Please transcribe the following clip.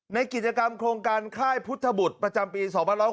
ในกิจกรรมโครงการค่ายพุทธบุตรประจำปี๒๖๖